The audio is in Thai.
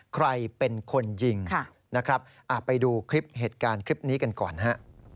ใครเป็นคนยิงนะครับไปดูคลิปเหตุการณ์คลิปนี้กันก่อนฮะ